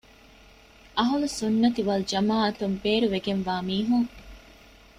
އަހުލުއްސުންނަތި ވަލްޖަމާޢަތުން ބޭރުވެގެންވާ މީހުން